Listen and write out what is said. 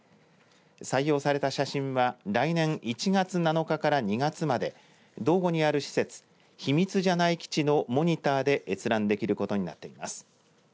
採用された写真は来年１月７日から２月まで道後にある施設ひみつジャナイ基地のモニターで閲覧できることになっています。